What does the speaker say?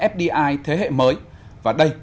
fdi thế hệ mới và đây